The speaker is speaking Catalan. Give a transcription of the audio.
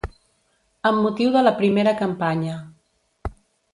Amb motiu de la primera campanya